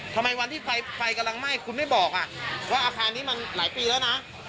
ทำไมวันที่ไฟกำลังไหม้คุณไม่บอกว่าอาคารนี้มันหลายปีแล้วนะ